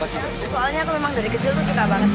soalnya aku memang dari kecil tuh suka banget sama dunia balap